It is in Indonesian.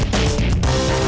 nggak akan ngediam nih